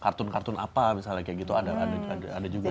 kartun cartoon apa misalnya kayak gitu ada juga sih